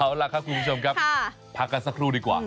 เอาล่ะครับคุณผู้ชมครับพักกันสักครู่ดีกว่า